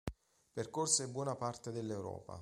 Percorse buona parte dell'Europa.